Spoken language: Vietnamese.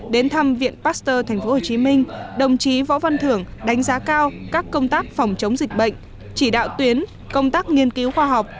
đến thăm viện pasteur tp hcm đồng chí võ văn thưởng đánh giá cao các công tác phòng chống dịch bệnh chỉ đạo tuyến công tác nghiên cứu khoa học